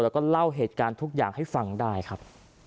แล้วก็เล่าเหตุการณ์ทุกอย่างให้ฟังได้ครับ